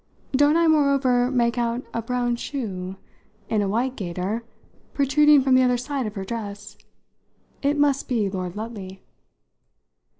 Don't I moreover make out a brown shoe, in a white gaiter, protruding from the other side of her dress? It must be Lord Lutley."